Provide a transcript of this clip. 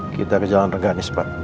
kita ke jalan reganis pak